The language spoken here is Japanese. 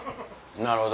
なるほど！